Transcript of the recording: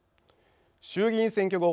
衆議院選挙後